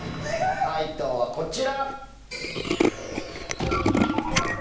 解答はこちら。